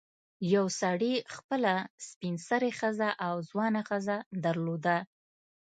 یو سړي خپله سپین سرې ښځه او ځوانه ښځه درلوده.